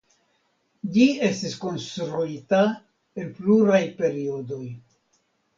Ĝi estis konstruita en pluraj periodoj.